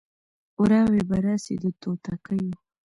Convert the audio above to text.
وراوي به راسي د توتکیو